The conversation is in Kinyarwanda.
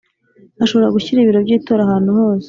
ashobora gushyira ibiro by itora ahantu hose